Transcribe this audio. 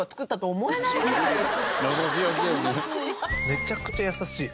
めちゃくちゃ優しい。